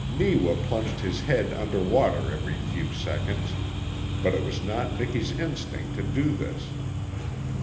Neewa plunged his head under water every few seconds, but it was not Miki's instinct to do this.